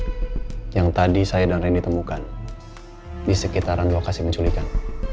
ada sim card yang tadi saya dan rendy temukan di sekitaran lokasi menculikan